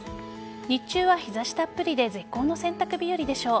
日中は日差したっぷりで絶好の洗濯日和でしょう。